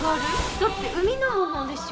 だって海のものでしょ？